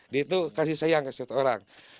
dia itu kasih sayang ke setiap orang